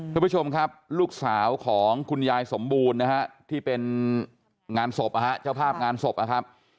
ทุกผู้ชมครับลูกสาวของคุณยายสมบูรณ์นะครับที่เป็นเจ้าภาพงานศพนะครับ